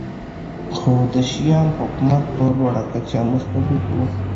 خو د شیام حکومت په لوړه کچه مستبد و